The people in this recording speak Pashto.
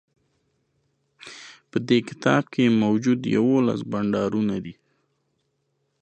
په دې کتاب کی موجود یوولس بانډارونه دي